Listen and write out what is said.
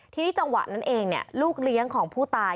ทีนี้จังหวะนั้นเองลูกเลี้ยงของผู้ตาย